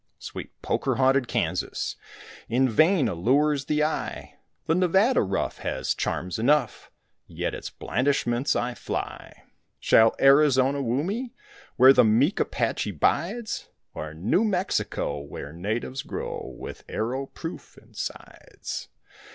Sweet poker haunted Kansas In vain allures the eye; The Nevada rough has charms enough Yet its blandishments I fly. Shall Arizona woo me Where the meek Apache bides? Or New Mexico where natives grow With arrow proof insides?